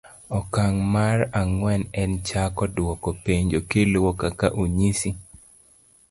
oka'ng mar ang'wen en chako dwoko penjo kiluo kaka onyisi.